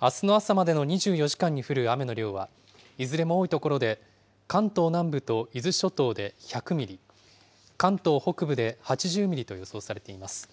あすの朝までの２４時間に降る雨の量は、いずれも多い所で、関東南部と伊豆諸島で１００ミリ、関東北部で８０ミリと予想されています。